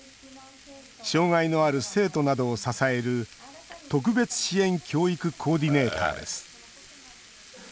障害のある生徒などを支える特別支援教育コーディネーターです。